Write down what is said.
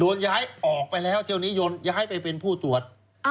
ย้ายออกไปแล้วเที่ยวนี้ย้ายไปเป็นผู้ตรวจ